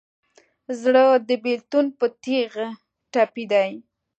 زړه د بېلتون په تیغ ټپي دی.